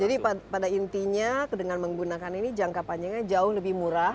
jadi pada intinya dengan menggunakan ini jangka panjangnya jauh lebih murah